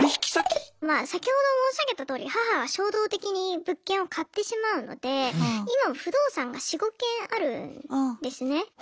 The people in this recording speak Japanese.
まあ先ほど申し上げたとおり母は衝動的に物件を買ってしまうので今不動産が４５軒あるんですね。